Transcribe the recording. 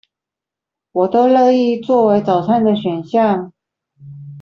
我都樂意作為早餐的選項